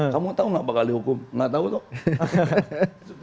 kamu tahu gak pak kali hukum gak tahu dong